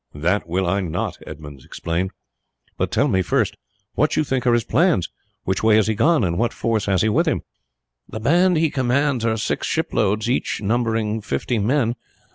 "That will I not!" Edmund exclaimed; "but tell me first what you think are his plans. Which way has he gone, and what force has he with him?" "The band he commands are six shiploads, each numbering fifty men.